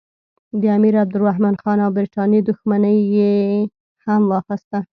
د امیرعبدالرحمن خان او برټانیې دښمني یې هم واخیسته.